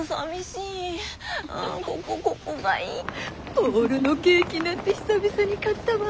ホールのケーキなんて久々に買ったわ。